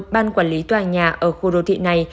ban quản lý tòa nhà ở khu đô thị này